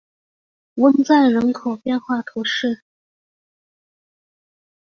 翁赞人口变化图示